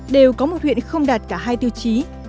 đều có một huyện không đạt cả hai tiêu chí